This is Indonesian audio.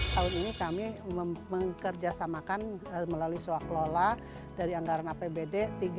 tahun ini kami mengkerjasamakan melalui swak lola dari anggaran apbd